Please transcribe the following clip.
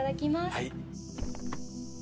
はい。